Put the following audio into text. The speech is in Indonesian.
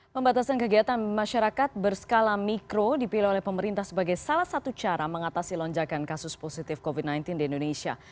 pembatasan kegiatan masyarakat berskala mikro dipilih oleh pemerintah sebagai salah satu cara mengatasi lonjakan kasus positif covid sembilan belas di indonesia